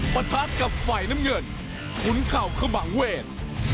ประทัดกับฝ่ายน้ำเงินขุนเข่าขมังเวท